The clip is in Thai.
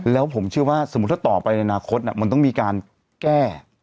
แล้วผมเชื่อว่าสมมุติถ้าต่อไปในอนาคตมันต้องมีการแก้